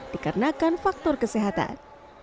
dikarenakan faktor kesehatan